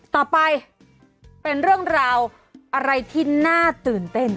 ต่อไปเป็นเรื่องราวอะไรที่น่าตื่นเต้น